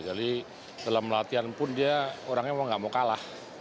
jadi dalam latihan pun dia orangnya memang tidak mau kalah